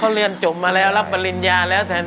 เขาเรียนจบมาแล้วรับปริญญาแล้วแถมที่ว่าเขาเรียนจบมาแล้ว